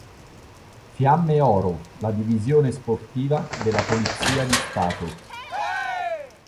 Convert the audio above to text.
Fiamme Oro, la divisione sportiva della Polizia di Stato.